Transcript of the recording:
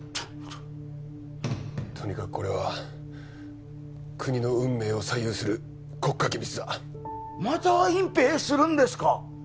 とにかくこれは国の運命を左右する国家機密だまた隠蔽するんですか？